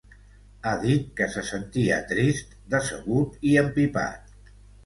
Ha dit que se sentia ‘trist, decebut i empipat’.